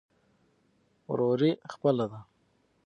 وروري خپله ده.